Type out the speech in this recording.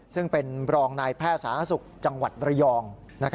ซึ่งเป็นรองนายแพทย์สาธารณสุขจังหวัดระยอง